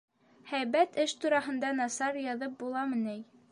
— Һәйбәт эш тураһында насар яҙып буламы ни?